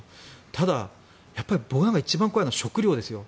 ただ、僕らが一番怖いのは食料ですよ。